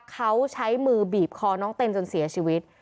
เขาใช้มือบีบคอน้องเต้นจนเสียชีวิต